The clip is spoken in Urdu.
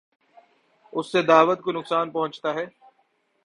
اس سے دعوت کو نقصان پہنچتا ہے۔